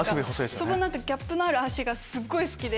その何かギャップのある脚がすっごい好きで。